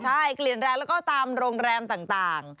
ใช่กลิ่นแรงแล้วก็ตามโรงแรมต่าง